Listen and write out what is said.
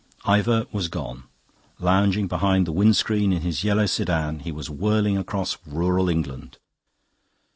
Ivor was gone. Lounging behind the wind screen in his yellow sedan he was whirling across rural England.